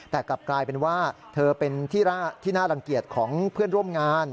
แต่กลับกลายเป็นว่าเธอเป็นที่น่ารังเกียจของเพื่อนร่วมงาน